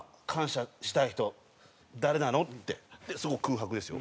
でそこ空白ですよ。